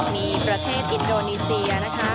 มีประเทศอินโดนีเซีย